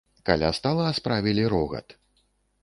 Каля стала справілі рогат.